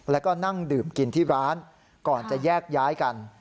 แล้วก็นั่งดื่มกินที่ร้านก่อนจะแยกย้ายกัน